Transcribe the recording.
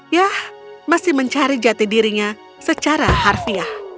yah masih mencari jati dirinya secara harfiah